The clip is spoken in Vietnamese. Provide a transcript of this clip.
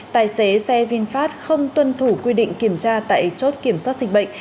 tài xế xe vinfast không tuân thủ quy định kiểm tra tại chốt kiểm soát dịch bệnh